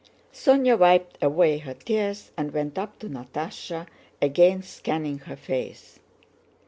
Sónya wiped away her tears and went up to Natásha, again scanning her face.